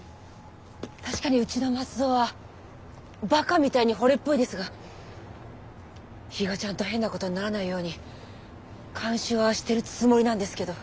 確かにうちの松戸はバカみたいにほれっぽいですが比嘉ちゃんと変なことにならないように監視はしてるつもりなんですけど。